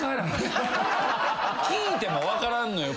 聞いても分からんのよ